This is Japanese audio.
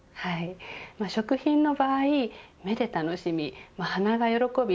食品の場合目で楽しみ鼻が喜び